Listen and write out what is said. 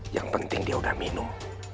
yang penting dia udah minum